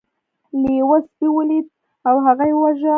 لیوه سپی ولید او هغه یې وواژه.